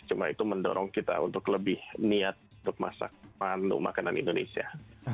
cuma itu mendorong kita untuk lebih niat untuk masak menu makanan indonesia